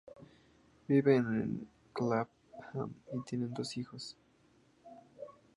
Viven en Clapham y tienen dos hijos.